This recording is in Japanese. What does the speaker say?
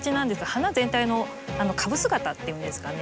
花全体の株姿っていうんですかね